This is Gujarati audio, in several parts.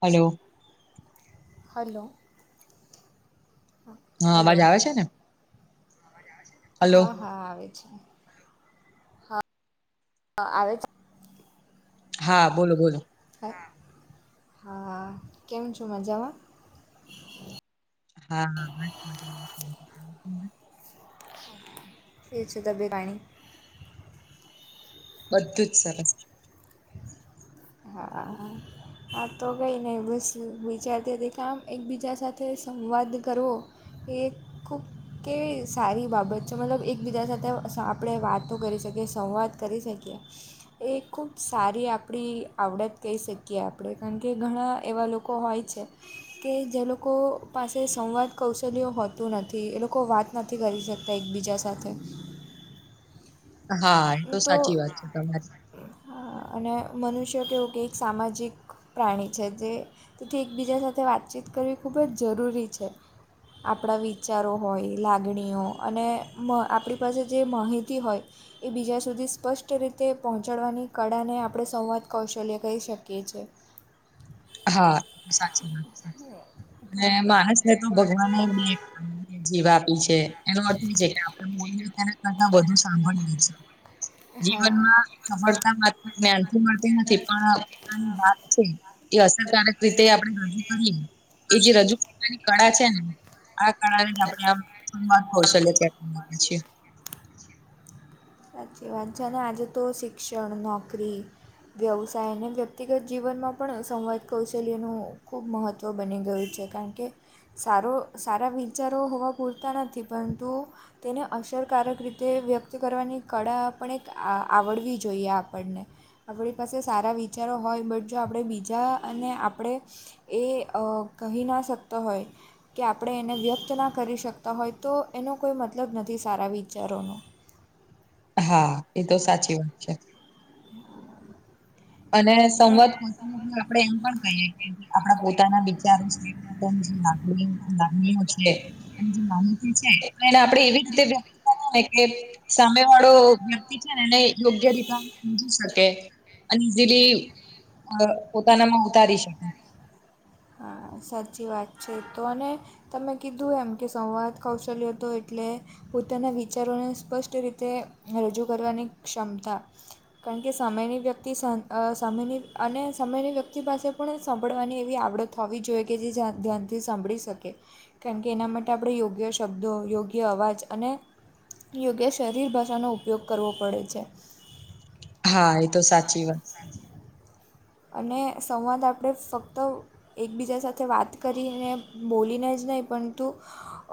હલો. હલો. હાં, અવાજ હલો આવે છે ને? હલો હા, હા આવે છે. અ આવે છે. હા, બોલો બોલો. હા, કેમ છો, મજામાં? હા [inaudible] કેવી છે તબિયત પાણી? બધું જ સરસ. હા. આ તો કઈ નઈ બસ વિચારતી હતી કે આમ એકબીજા સાથે સંવાદ કરવો. એ ખૂબ કે સારી બાબત છે મતલબ એકબીજા સાથે સ આપણે વાતો કરી શકીએ સંવાદ કરી શકીએ એ ખૂબ સારી આપણી આવડત કહી શકીએ આપડે કાણ કે ઘણા એવા લોકો હોય છે. કે જે લોકો પાસે સંવાદ કૌશલ્યો હોતું નથી એ લોકો વાત નથી કરી શકતા એકબીજા સાથે હા એ તો સાચી વાત છે તમારી અને મનુષ્ય કેવું કે એક સામાજિક પ્રાણી છે તે તેથી એકબીજા સાથે વાતચીત કરવી ખૂબ જ જરૂરી છે. આપણા વિચારો હોય લાગણીઓ અને મ આપણી પાસે જે માહિતી હોય. એ બીજા સુધી સ્પષ્ટ રીતે પહોંચાડવાની કળાને આપડે સંવાદ કૌશલ્ય કહી શકીએ છીએ. હા, સાચી વાત છે. ને હા માણસ ને તો ભગવાનને [unintelligible] જીભ આપી છે. એનો અર્થ એ છે કે આપણે બોલીએ તેના કરતા વધુ સાંભળીએ છે હા જીવનમાં સફળતા માત્ર [unintelligible] થી મળતી નથી પણ પોતાની વાત [unintelligible] એ અસરકારક રીતે આપણે રજુ કરીએ એ જે રજૂ કરવાની [unintelligible] કળા છે ને આ કળા ને જ આપડે આમ સંવાદ કૌશલ્ય કહીએ [unintelligible] સાચી વાત છે અને આજે તો શિક્ષણ નોકરી વ્યવસાય અને વ્યક્તિગત જીવનમાં પણ સંવાદ કૌશલ્યનું ખૂબ મહત્ત ત્વ બની ગયું છે કાણ કે સારો સારા વિચારો હોવા પૂરતા નથી પરંતુ તેને અસરકારક રીતે વ્યક્ત કરવાની કળા પણ એક આ આવડવી જોઈએ આપણને આપડી પાસે સારા વિચારો હોય બટ જો આપડે બીજા અને આપડે એ અ કહી ના શકતો હોય. કે આપડે એને વ્યક્ત ના કરી શકતા હોય તો એનો કોઈ મતલબ નથી સારા વિચારોનો હા, એ તો સાચી વાત છે. અને એ સંવાદ [unintelligible] આપણે એમ પણ કહીએ કે આપણા પોતાના વિચારો છે. [unintelligible] લાગણીઓ છે. માહિતી છે એ આપડે એવી રીતે વ્યક્ત કર ને કે. સામે વાળો વ્યક્તિ છે ને એને યોગ્ય રીતે સમજી શકે. અને ઇઝીલી પોતાનામાં ઉતારી શકે. હા વાત છે અને તમે કીધું એમ કે સંવાદ કૌશલ્ય હતો એટલે પોતાના વિચારોને સ્પષ્ટ રીતે રજૂ કરવાની ક્ષમતા કાન કે સમયની વ્યક્તિ સમયની અને સમયની વ્યક્તિ પાસે પણ સાંભળવાની એવી આવડત થવી જોઈએ કે જે્યા ધ્યાનથી સાંભળી શકે. કારણ કે એના માટે આપણે યોગ્ય શબ્દો યોગ્ય અવાજ અને યોગ્ય શરીર ભાષાનો ઉપયોગ કરવો પડે છે. હા એ તો સાચી વાત. [inaudible] અને સંવાદ આપણે ફક્ત એકબીજા સાથે વાત કરીને બોલીને જ નહીં પરંતુ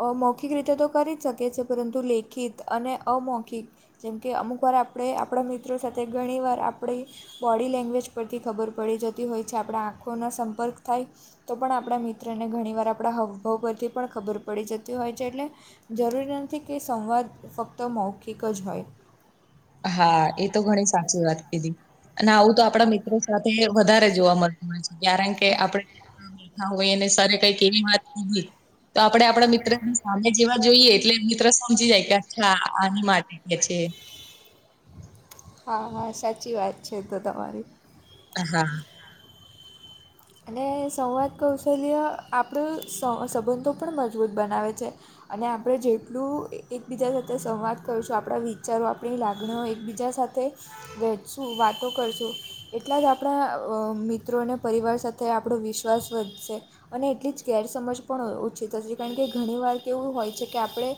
અ મૌખિક રીતે તો કરી જ શકે છે પરંતુ લેખિત અને અમૌખિક જેમકે અમુક વાર આપણે આપણા મિત્રો સાથે ઘણી વાર આપણી બોડી લેંગ્વેજ પર થી ખબર પડી હોય છે આપણા આંખોના સંપર્ક થાય. તો પણ આપણા મિત્રને ઘણીવાર આપણા હાવભાવ પરથી પણ ખબર પડી જતી હોય છે એટલે જરૂરી નથી કે સંવાદ ફક્ત મૌખિક જ હોય. હા એ તો ઘણી સાચી વાત કીધી અને આવું તો આપણા હા મિ સાથે વધારે જોવા મળતું હોય છે કારણ કે આપડ બેઠા હોય અને સર કઈક એવી વાત કધ તો આપણે આપણા મિત્રની સામે જેવા જોઈએ એટલે મિત્ર સમજી જાય કે અચ્છા આની માટે કે છે. હા હા સાચી વાત છે તો તમારી. [inaudible] અને સંવાદ કૌશલ્ય આપણું સંબંધો પણ મજબૂત બનાવે છે. અને આપણે જેટલું એકબીજા સાથે સંવાદ કરશું આપણા વિચારો આપણી લાગણીઓ એકબીજા સાથે વઠશું કરશું એટલા જ આપણા મિત્રો અ પરી નો આપણો વિશ્વાસ વધશે. અને એટલી જ ગેરસમજ પણ ઓછી થશે કારણ કે ઘણી વાર કેવું હોય છે કે આપણે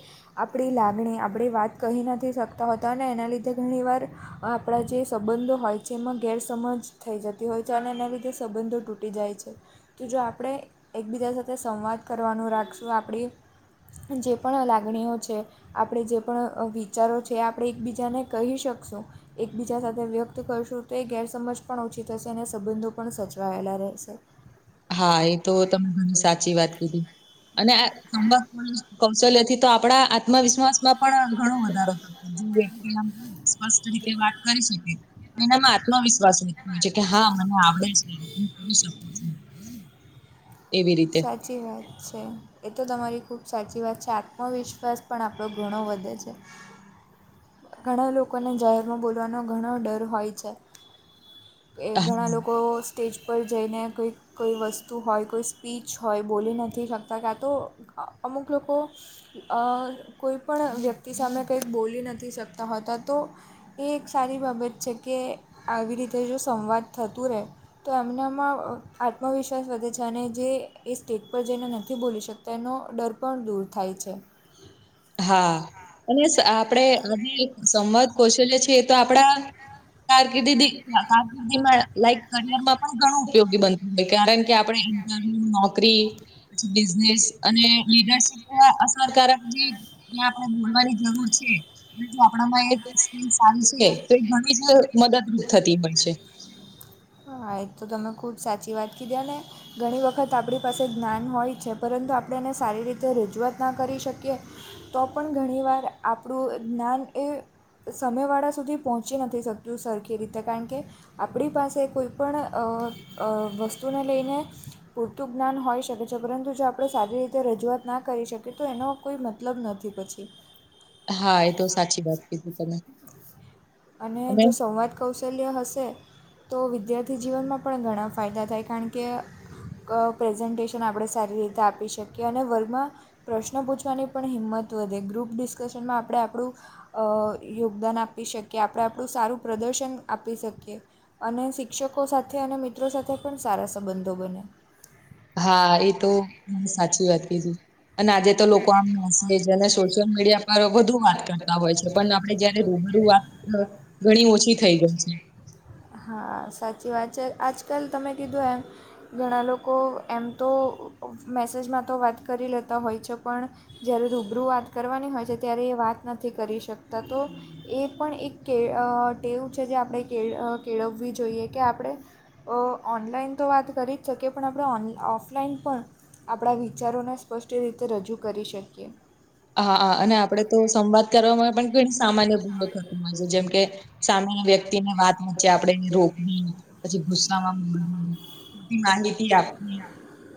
આપણી આપણી વાત કહી નથી શકતા હોતા અનેને લીધે ઘણી વાર આપણા જે હોય છે એમાં ગેરસમજ થઈ જતી હોય છે અને એના સંબંધો તટી જાય છે તો જો આપણે એકબીજા સાથે સંવાદ કરવાનું રાખશું આપણી. જે પણ લાગણીઓ છે. આપણે જે પણ વિચારો છે આપણે એકબીજાને કહી શકશું. એકબીજા સાથે વ્યક્ત કરશું તો એ ગેરસમજ પણ ઓછી હશે અને સંબંધો પણ સચવાયેલા. [inaudible] હા એ તો તમે ઘણી સાચી વાત કીધી અને આ કૌશલ્યથી તો આપણા આત્મવિશ્વાસ માં પણ ઘણો વધારો થતો વ્યક્તિમ વાત કરી શકે એનામાં આત્મવિશ્વાસ નથી છે કે હા મને આવડે છે શકું એવી રીતે. સાચી વાત છે એ તો તમારી ખૂબ સાચી વાત છે આત્મવિશ્વાસ પણ આપણો ઘણો વધે છે. ઘણા લોકોને જાહેરમાં બોલવાનો ઘણો ડર હોય છે એ ઘણા હા લોકો સ્ટેજ પર જઈને કોંઈક કોઈ વસ્તુ હોય, કોઈ સ્પીચ હોય, બોલી નથી શકતા. ક્યાં તો અ અમુક લોકો, અ કોઈ પણ વ્યક્તિ સામે કંઈક બોલી નથી શક તા હોતા. તો એ એક સારી બાબત છે કે, આવી રીતે જો સંવાદ થતું રહેે તો એમનામાં આત્મવિશ્વાસ વધે છે, અને જે એ સ્ટેજ પર જઈને નથી બોલી શકતા તેનો ડર પણ દૂર થાય છે. હા. અને સ આપડે આજે સંવાદ કૌશલ્ય છે, એ તો આપડા કારકિર્દી દી, કારકિર્દીમાં, લાઈક કરિયર માં પણ ઘણું ઉપયોગી બનતું હોય, કારણ કે આપણે ઈન્ટરવ્યુ, નોકરી પછી બિઝનેસ, અને લીડરશીપ પણ અસરકારક એ આપડે બોલવાની જરૂર છે. જો આપણામાં એ સ્કીલ સારી છે, તો એ ઘણી જ મદદરૂપ થતી હોય છે. હા, એ તો તમે ખૂબ સાચી વાત કીધી, અને ઘણી વખત આપડી પાસે જ્ઞાન હોય છે, પરંતુ આપણે એને સારી રીતે રજૂઆત ના કરી શકીએ તો પણ ઘણી વાર, આપડુ જ્ઞાન એ સામેવાળા સુધી પહોંચી નથી શકતું સરખી રીતે, કારણ કે આપડી પાસે કે કોઈપણ અ અ વસ્તુને લેઈને પૂરતું જ્ઞાન હોઈ શકે છે, પરંતુ જો આપણે સારી રીતે રજૂઆત ના કરી શકીએ, તો એનો કોઈ મત લબ નથી પછી. હા, એતો સાચી વાત કીધી તમે. અને, જો સંવાદ કૌશલ્ય હશે તો વિદ્યાર્થી જીવનમાં પણ ઘણા ફાયદા થાય, કારણ કે ક પ્રેઝન્ટેશન આપણે સારી રીતે આપી શકીએ, અને વર્ગમાં પ્રશ્ન પૂછવાની પણ હિંમત વધે. ગ્રુપ ડિસ્કશનમાં આપડે આપડુ અ યોગદાન આપી શકીએ. આપડે આપડુ સારું પ્રદર્શન આપી શકીએ. અને શિક્ષકો સાથે અને મિત્રો સાથે પણ સારા સંબંધો બને. હા, એ તો સાચી વાત કીધી. અને આજે તો લોકો આમ મેસેજ અને સો શયલ મીડિયા પર વધુ વાત કરતા હોય છે. પણ આપડે જયારે રૂબરૂ વાત કરતા ઘણી ઓછી થઈ ગઈ છે. હા, સાચી વાત છે. આજકાલ તમે કીધું એમ ઘણા લોકો, એમ તો, મેસેજમાં તો વાત કરી લેતા હોય છે, પણ જ્યારે રૂબરૂ વાત કરવાની હોય છે, ત્યારે એ વાત નથી કરી શકતા. તો એ પણ એક કે એ ટેવ છે, જે આપણે કે કેળવવી જોઈએ, કે આપડે અ ઓનલાઈન તો વાત કરી જ શકીએ, પણ આપડે ઓન ઓફલાઈન પણ આપડા વિચારોને સ્પષ્ટ રીતે રજૂ કરી શકીએ. હા, હા. અને આપડે તો સંવાદ કરવામાં પણ ઘણી સામાન્ય ભૂલો થતી હોય છે. જેમ કે સામેની વ્યક્તિને વાત વચ્ચે આપડે એને રોકવી, પછી ગુસ્સામાં ખોટી માહિતી આપવી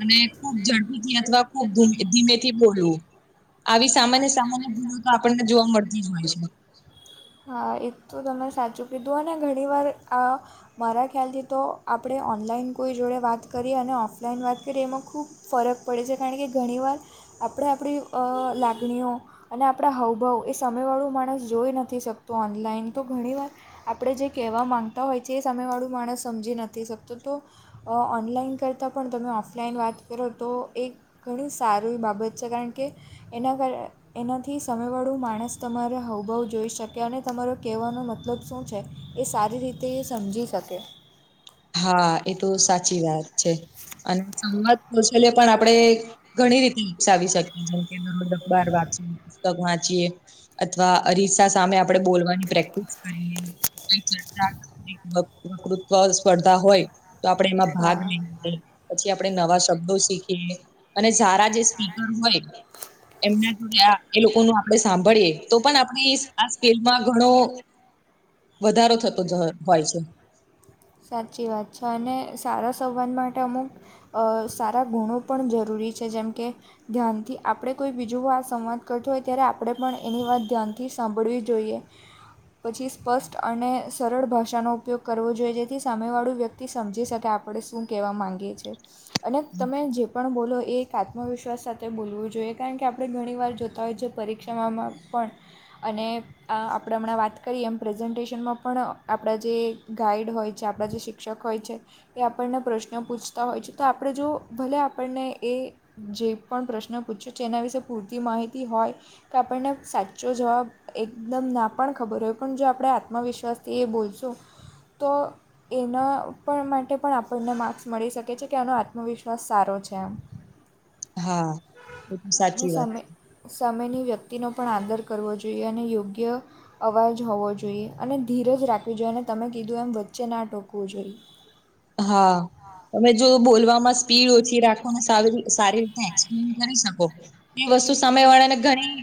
અને ખૂબ ઝડપીથી, અથવા ખુબ ધીમે ધીમેથી બોલવું. આવી સામાન્ય-સામાન્ય ભૂલો તો આપણને જોવા મળતી જ હોય છે. હા, એ તો તમે સાચું કીધું, અને ઘણી વાર આ મારા ખ્યાલથી તો, આપડે ઓનલાઈન કોઈ જોડે વાત કરીએ, અને ઓફલાઈન વાત કરીએ એમાં ખૂબ ફરક પડે છે, કારણ કે ઘણીવાર આપડે આપડી અ લાગણીઓ, અને આપણા હાવભાવ, એ સામેવાળુ માણસ જોઈ નથી શક તુ ઓનલાઈન. તો ઘણીવાર આપડે જે કેહવા માંગતા હોય છે, એ સામે વાળું માણસ સમજી નથી શકતું તો ઓ ઓનલાઈન કરતાં પણ તમે ઓફલાઈન વાત કરો તો એ ઘણી સારી બાબત છે, કારણ કે એના કર એનાથી સામેવાળું માણસ તમારા હાઉભાઉ જોઈ શક કે અને તમારો કેહવાનો મતલબ શું છે, એ સારી રીતે એ સમજી શકે. હા, એતો સાચી વાત છે. અને સંવાદ કૌશલ્ય પણ આપડે ઘણી રીતે વિકસાવી શકીએ છે કે દરરોજ અખબાર વાંચીએ, પુસ્તક વાંચીએ અથવા અરીસા સામે આપડે બોલવાની પ્રેક્ટિસ કરીએ. [unintelligible] સ્પર્ધા હોય તો આપણે એમાં ભાગ હા લઈ લઈએ. પછી આપણે નવા શબ્દો શીખીએ, અને સારા જે સ્પીકર હોય એમના જોયા એ લોકો નુંઆપણે સાંભળીએ તો પણ આપ આ સ્કેલમાં ઘણો વધારો થતો હોય છે. સાચી વાત છે, અને સારા સંવાદ માટે અમુક અ સારા ગુણો પણ જરૂરી છે, જેમ કે ધ્યાનથી આપણે કોઈ બીજું આ સંવાદ કરતો હોય ત્યારે આપણે પણ એની વાત ધ્યાન થી સાંભળવી જોઈએ. પછી સ્પષ્ટ અને સરળ ભાષાનો ઉપયોગ કરવો જોઈએ, જે થી સામેવાળું વ્યક્તિ સમજી શકે, આપણે શું કહેવા માંગીએ છીએ. અને તમે જે પણ બોલો એ એક આત્મવિશ્વાસ સાથે બોલવું જોઈએ. કારણ કે, આપણે ઘણી વાર જોતા હોય છે પરીક્ષામાં પણ અને આ આપણે હમણાં વાત કરીએ એમ પ્રેઝન્ટેશનમાં પણ આપણા જે ગાઈડ હોય આ બાજુ શિક્ષક હોય છે એ આપણને પ્રશ્નો પૂછતા હોય છે, તો આપણે જો ભલે આપણને એ જે પણ પ્રશ્ન પૂછ્યો છે એના વિશે પૂરતી માહિતી હોય કે આપણને સાચો જવાબ એકદમ ના પણ ખબર હોય, પણ જો આપડે આત્મવિશ્વાસ તે બોલશું તો એના પણ માટે પણ આપણને માર્ક્સ મળી શકે છે, કે આનો આત્મવિશ્વાસ સારો છે એમ. હા, એ સાચી વાત છે. સમયની વ્યક્તિનો પણ આદર કરવો જોઈએ, અને યોગ્ય અવાજ હોવો જોઈએ, અને ધીરજ રાખવી જોઈએ, અને તમે કીધું એમ વચ્ચે ના ટોકવું જોઈએ. હા. તમે જો બોલવામાં સ્પીડ ઓછી રાખો ને સારી સારી રીતે એક્સપ્લેન કરી શકો. એ વસ્તુ સમય વાળા ને ઘણી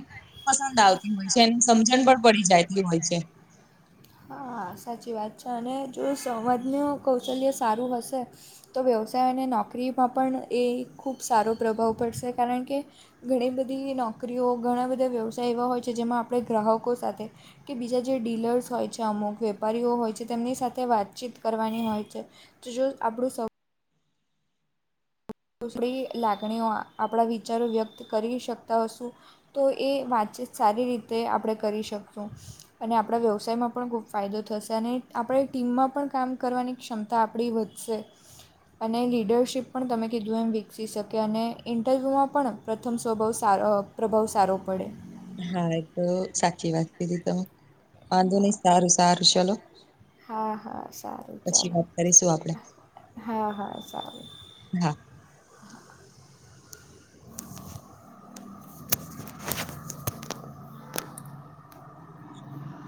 પસંદ આવતી હોય છે. એને સમજણ પણ પડી જતી હોય છે. હા સાચી વાત છે, અને જો સવાજનું કૌશલ્ય સારું હશે તો વ્યવસાય અને નોકરીમાં પણ એ ખૂબ સારો પ્રભાવ પડશે, કારણ કે ઘણી બધી નોકરીઓ ઘણા બધા વ્યવસાય એવા હોય છે જેમાં આપણે ગ્રાહકો સાથે કે બીજા જે ડીલર્સ હોય છે. કે અમુક વેપારીઓ હોય છે તેમની સાથે વાતચીત કરવાની હોય છે. તો જો આપણું સ થોડી લાગણીઓ આપણા વિચારો વ્યક્ત કરી શકતા હશુ તો એ વાતચીત સારી રીતે આપણે કરી શકશું. અને આપણા વ્યવસાયમાં પણ ખૂબ ફાયદો થશે. અને આપડે ટીમમાં પણ કામ કરવાની ક્ષમતા આપણી વધશે, અને લીડરશીપ પણ તમે કીધું એમ વિકસી શકે. અને ઇન્ટરવ્યૂમાં પણ પ્રથમ સ્વભાવ સારો પ્રભાવ સારો પડે. હા એ તો સાચી વાત કીધી તમે વાંધો નહી સારું સારું ચલો. હા હા સારું પછી ચાલો વાત કરીશું આપડે હા હા સારું. હા.